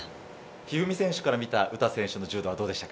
一二三選手から見た詩選手の柔道、どうでした？